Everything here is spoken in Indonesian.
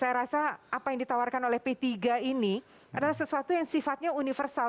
saya rasa apa yang ditawarkan oleh p tiga ini adalah sesuatu yang sifatnya universal